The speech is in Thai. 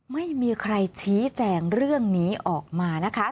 ไม่มีใครชี้แจงเรื่องนี้ออกมานะคะ